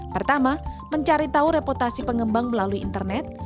pertama mencari tahu reputasi pengembang melalui internet